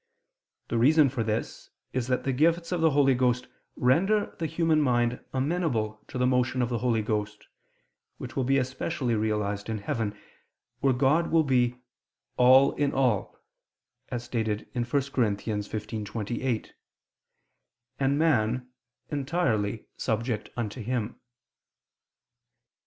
The reason for this is that the gifts of the Holy Ghost render the human mind amenable to the motion of the Holy Ghost: which will be especially realized in heaven, where God will be "all in all" (1 Cor. 15:28), and man entirely subject unto Him.